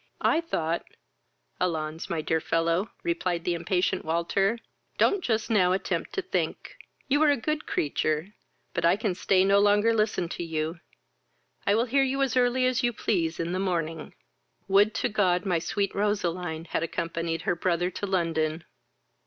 I thought " "Allons, my dear fellow, (replied the impatient Walter,) don't just now attempt to think; you are a good creature: but I can stay no longer listen to you; I will hear you as early as you please in the morning. Would to God my sweet Roseline had accompanied her brother to London!"